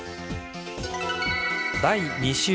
第２週。